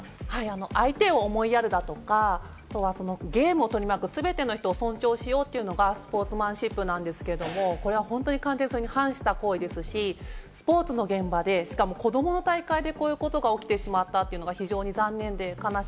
相手を思いやるだとか、あとは全ての人を尊重しようというのはスポーツマンシップなんですけれども、これは本当に完全に反した行為ですし、スポーツの現場で、しかも子どもの大会でこういうことが起きてしまったというのは非常に残念です。